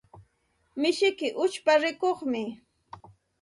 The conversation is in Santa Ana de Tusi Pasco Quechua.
Mishiyki uchpa rikuqmi.